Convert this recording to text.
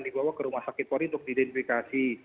dibawa ke rumah sakit pori untuk didenifikasi